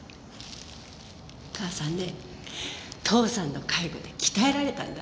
母さんね父さんの介護で鍛えられたんだ。